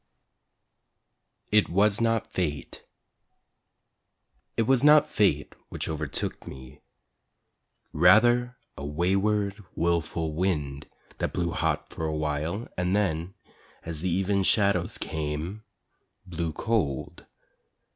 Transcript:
IT WAS NOT FATE It was not fate which overtook me, Rather a wayward, wilful wind That blew hot for awhile And then, as the even shadows came, blew cold.